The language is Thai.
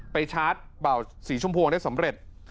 ชาร์จเบาสีชมพวงได้สำเร็จ